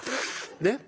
ねっ？